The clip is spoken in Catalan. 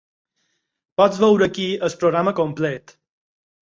Pots veure aquí el programa complet.